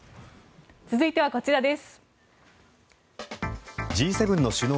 続いてはこちらです。